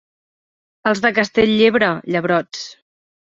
Els de Castell-llebre, llebrots.